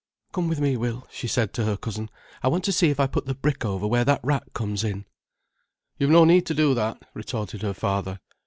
"Come with me, Will," she said to her cousin. "I want to see if I put the brick over where that rat comes in." "You've no need to do that," retorted her father.